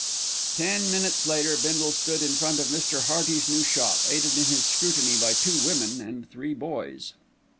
Ten minutes later Bindle stood in front of Mr. Hearty's new shop, aided in his scrutiny by two women and three boys.